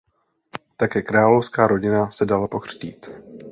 Také královská rodina se dala pokřtít.